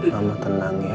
mama tenang ya